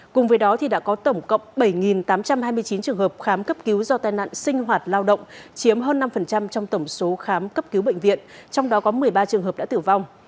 cùng với đó đã có tổng cộng bảy tám trăm hai mươi chín trường hợp khám cấp cứu do tai nạn sinh hoạt lao động chiếm hơn năm trong tổng số khám cấp cứu bệnh viện trong đó có một mươi ba trường hợp đã tử vong